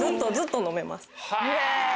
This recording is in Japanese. ずっと飲めます。